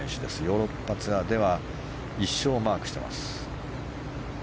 ヨーロッパツアーでは１勝をマークしています。